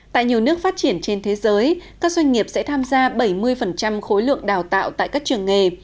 tại nhiều nước phát triển trên thế giới các doanh nghiệp sẽ tham gia bảy mươi khối lượng đào tạo tại các trường nghề